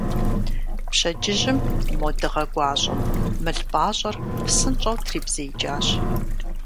Пщэдджыжьым мо дыгъэ гуащӀэм мыл пӀащӀэр псынщӀэу трибзеикӀащ.